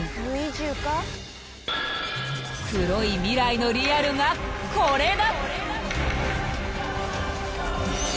［黒い未来のリアルがこれだ］